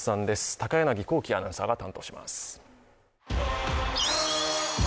高柳光希アナウンサーが担当します。